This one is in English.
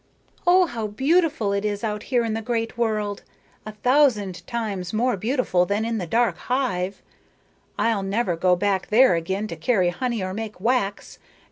"Oh, how beautiful it is out here in the great world, a thousand times more beautiful than in the dark hive. I'll never go back there again to carry honey or make wax.